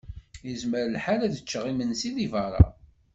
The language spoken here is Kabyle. Yezmer lḥal ad ččeɣ imensi di berra.